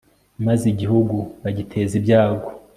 maze igihugu bagiteza ibyago